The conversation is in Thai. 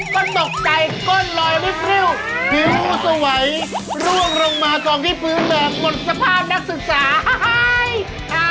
ก็ตกใจก้นลอยริ้วผิวสวัยร่วงลงมากองที่พื้นแบบหมดสภาพนักศึกษา